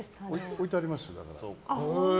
置いてありますよ。